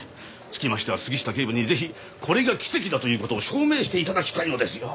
つきましては杉下警部にぜひこれが奇跡だという事を証明して頂きたいのですよ！